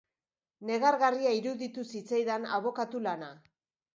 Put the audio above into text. Negargarria iruditu zitzaidan abokatu lana.